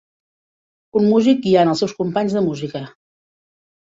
Un músic guiant els seus companys de música.